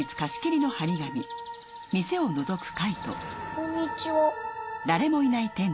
こんにちは。